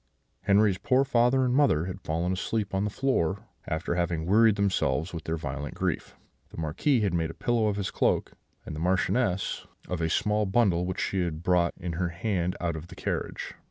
"Henri's poor father and mother had fallen asleep on the floor, after having wearied themselves with their violent grief; the Marquis had made a pillow of his cloak, and the Marchioness of a small bundle which she had brought in her hand out of the carriage.